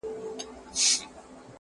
• هغې بۀ ما بلاندي د خپل سر لوپټه وهله,